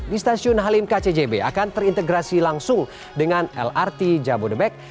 di stasiun halim kcjb akan terintegrasi langsung dengan lrt jabodebek